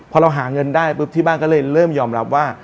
พอเราหาเงินได้ปุ๊บที่บ้านก็เลยเริ่มยอมรับว่า